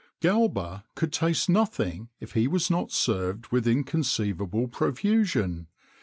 [XXIX 17] Galba could taste nothing if he was not served with inconceivable profusion.